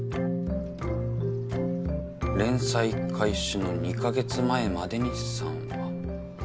連載開始の２カ月前までに３話。